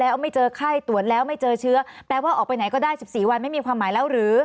อ้าวตกลงการที่บอกว่าวัดแล้วไม่เจอไข้ตรวจแล้วไม่เจอเชื้อแปลว่าออกไปไหนก็ได้๑๔วันไม่มีความหมายแล้วหรือ